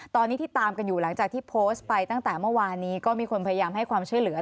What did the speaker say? ตอนนี้ที่ตามกันอยู่หลังจากที่โพสต์ไปตั้งแต่เมื่อวานนี้ก็มีคนพยายามให้ความช่วยเหลือ